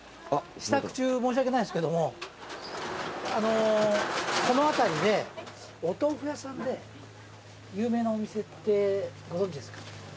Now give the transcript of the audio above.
支度中申し訳ないですけどもあのうこの辺りでお豆腐屋さんで有名なお店ってご存じですか？